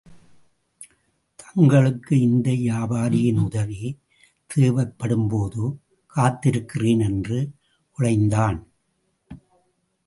தங்களுக்கு இந்த வியாபாரியின் உதவி தேவைப்படும் போது... காத்திருக்கிறேன்! என்று குழைந்தான்.